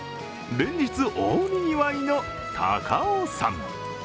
連日大にぎわいの高尾山。